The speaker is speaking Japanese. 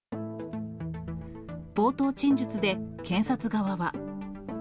冒頭陳述で検察側は。